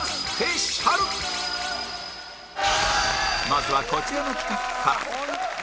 まずはこちらの企画から